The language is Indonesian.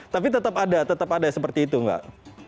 tapi tetap ada tetap ada seperti itu mbak